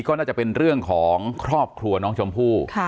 ก็น่าจะเป็นเรื่องของครอบครัวน้องชมพู่